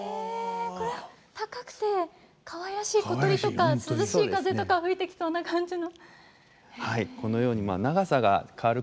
これ高くてかわいらしい小鳥とか涼しい風とか吹いてきそうな感じの。